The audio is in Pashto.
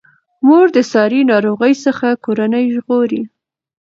مور د ساري ناروغیو څخه کورنۍ ژغوري.